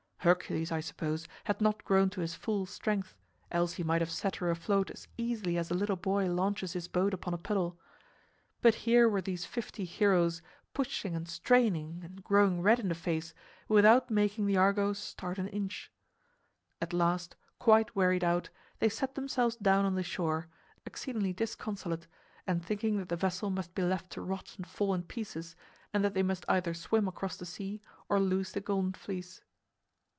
Hercules, I suppose, had not grown to his full strength, else he might have set her afloat as easily as a little boy launches his boat upon a puddle. But here were these fifty heroes, pushing and straining and growing red in the face without making the Argo start an inch. At last, quite wearied out, they sat themselves down on the shore, exceedingly disconsolate and thinking that the vessel must be left to rot and fall in pieces and that they must either swim across the sea or lose the Golden Fleece.